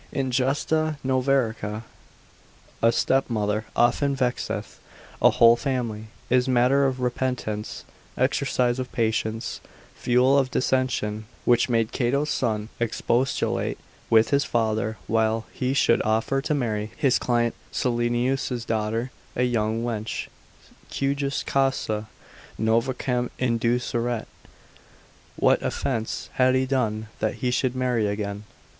Injusta noverca: a stepmother often vexeth a whole family, is matter of repentance, exercise of patience, fuel of dissension, which made Cato's son expostulate with his father, why he should offer to marry his client Solinius' daughter, a young wench, Cujus causa novercam induceret; what offence had he done, that he should marry again?